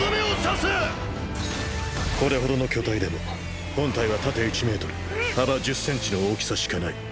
これほどの巨体でも本体は縦１ｍ幅１０ｃｍの大きさしかない。